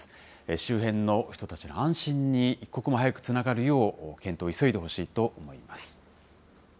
周辺の人たちの安心に一刻も早くつながるよう、検討を急いでほしいと思います。